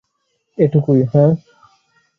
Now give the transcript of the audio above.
এটুকুই, হাহ?